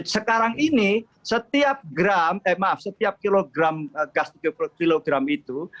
sekarang ini setiap gram eh maaf setiap kilogram gas itu